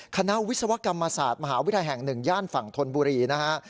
คณะวิศวกรรมศาสตร์มหาวิทยาลัยแห่ง๑ย่านฝั่งธนบุรีนะฮะ